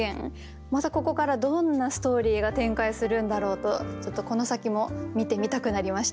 またここからどんなストーリーが展開するんだろうとちょっとこの先も見てみたくなりました。